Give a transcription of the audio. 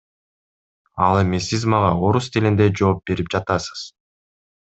Ал эми сиз мага орус тилинде жоопберип жатасыз.